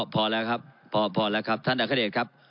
พอแล้วครับพอแล้วครับท่านอัคเดชครับ